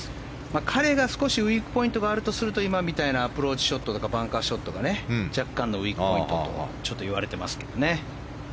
彼が少しウィークポイントがあるとするとアプローチショットとかバンカーショットが若干のウィークポイントといわれてますけどね。